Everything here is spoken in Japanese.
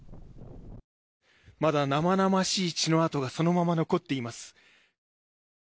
まだ生々しい血の跡がそのまま残っています。